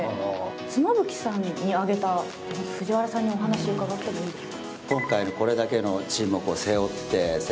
妻夫木さんに上げた藤原さんにお話伺ってもいいですか？